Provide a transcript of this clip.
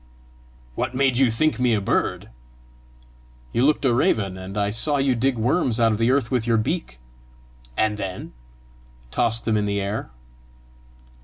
"What made you think me a bird?" "You looked a raven, and I saw you dig worms out of the earth with your beak." "And then?" "Toss them in the air."